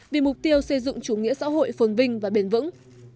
vì mục tiêu xây dựng chủ nghĩa xã hội phồn vinh và bền vững